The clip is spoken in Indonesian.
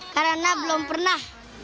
karena belum pernah